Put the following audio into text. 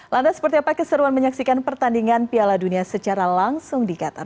lantas seperti apa keseruan menyaksikan pertandingan piala dunia secara langsung di qatar